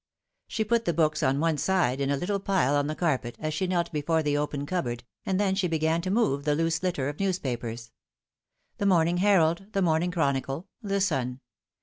She put the books on one side in a little pile on the carpet, as she knelt before the open cupboard, and then she began to move the loose litter of newspapers. The Morning Herald, the Morning Chronicle, the Sun.